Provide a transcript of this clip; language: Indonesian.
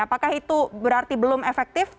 apakah itu berarti belum efektif